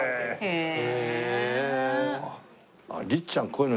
へえ！